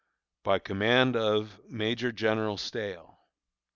By command of MAJOR GENERAL STAHEL.